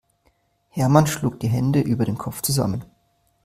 Hermann schlug die Hände über dem Kopf zusammen.